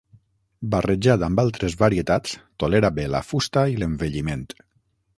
Barrejat amb altres varietats tolera bé la fusta i l'envelliment.